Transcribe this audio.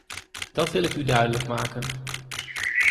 Dat wil ik u duidelijk maken.